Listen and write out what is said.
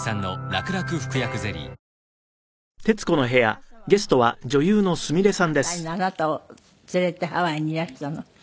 お母様はなんで７歳のあなたを連れてハワイにいらしたの？